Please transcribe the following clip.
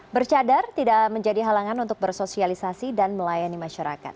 bercadar tidak menjadi halangan untuk bersosialisasi dan melayani masyarakat